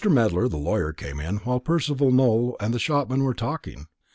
Medler the lawyer came in while Percival Nowell and the shopman were talking.